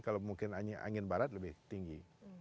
kalau mungkin angin barat lebih tinggi